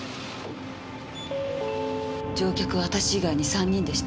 乗客は私以外に３人でした。